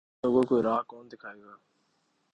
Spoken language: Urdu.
ایسے لوگوں کو راہ کون دکھائے گا؟